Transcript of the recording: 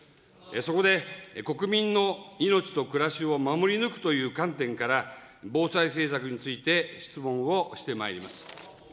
そこで、国民の命と暮らしを守り抜くという観点から、防災政策について、質問をしてまいります。